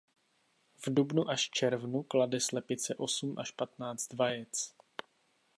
V dubnu až červnu klade slepice osm až patnáct vajec.